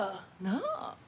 なあ？